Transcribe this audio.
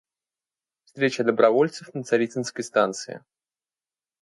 Встреча добровольцев на Царицынской станции.